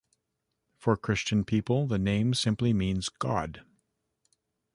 For Christian people, the name simply means "God".